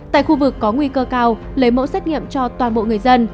tại khu vực có nguy cơ cao lấy mẫu xét nghiệm cho toàn bộ người dân